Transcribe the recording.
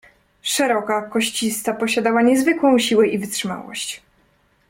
"Szeroka, koścista posiadała niezwykłą siłę i wytrzymałość."